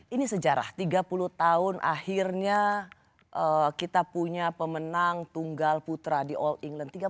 ini sejarah tiga puluh tahun akhirnya kita punya pemenang tunggal putra di all england